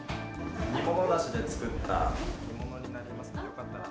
煮物だしで作った煮物になります。